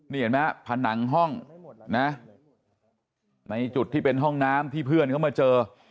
นี่เห็นไหมผนังห้องนะในจุดที่เป็นห้องน้ำที่เพื่อนเขามาเจอ